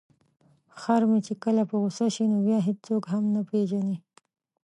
خر مې چې کله په غوسه شي نو بیا هیڅوک هم نه پيژني.